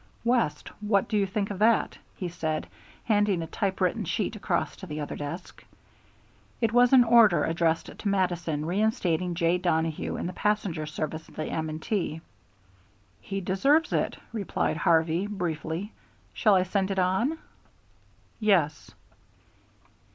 "West, what do think of that?" he said, handing a type written sheet across to the other desk. It was an order addressed to Mattison, reinstating J. Donohue in the passenger service of the M. & T. "He deserves it," replied Harvey, briefly. "Shall I send it on?" "Yes."